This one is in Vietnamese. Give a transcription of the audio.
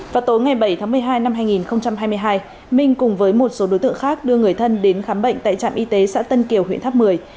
vào tối ngày bảy tháng một mươi hai năm hai nghìn hai mươi hai minh cùng với một số đối tượng khác đưa người thân đến khám bệnh tại trạm y tế xã tân kiều huyện tháp một mươi